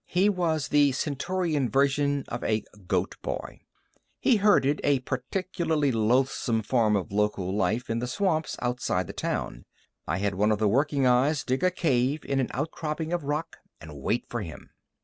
He was the Centaurian version of a goat boy he herded a particularly loathsome form of local life in the swamps outside the town. I had one of the working eyes dig a cave in an outcropping of rock and wait for him.